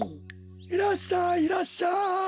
いらっしゃいいらっしゃい！